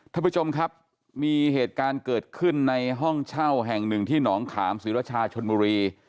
ท่านผู้ชมครับมีเหตุการณ์เกิดขึ้นในห้องเช่าแห่งหนึ่งที่หนองขามศรีรชาชนบุรี